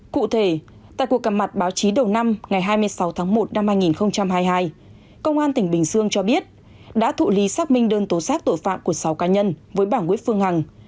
cụ thể tại cuộc gặp mặt báo chí đầu năm ngày hai mươi sáu tháng một năm hai nghìn hai mươi hai công an tỉnh bình dương cho biết đã thụ lý xác minh đơn tố xác tội phạm của sáu cá nhân với bà nguyễn phương hằng